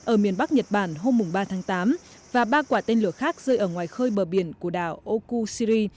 ở miền bắc nhật bản hôm ba tháng tám và ba quả tên lửa khác rơi ở ngoài khơi bờ biển của đảo okushiri